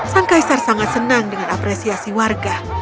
sang kaisar sangat senang dengan apresiasi warga